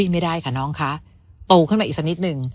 ไม่ได้ค่ะน้องคะโตขึ้นมาอีกสักนิดนึง